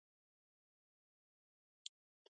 په افغانستان کې د مورغاب سیند شتون لري.